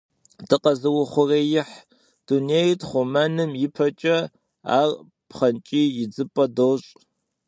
Дыкъэузыухъуреихь дунейр тхъумэным и пӏэкӏэ, ар пхъэнкӏий идзыпӏэ дощӏ.